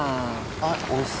あっおいし